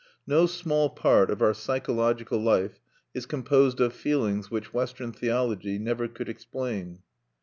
No small part of our psychological life is composed of feelings which Western theology never could explain.